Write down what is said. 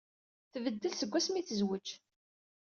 Tbeddel seg wasmi ay tezwej.